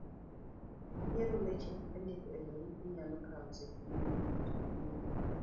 yiero weche mindiko e barupi nyalo kawo seche mang'eny to biro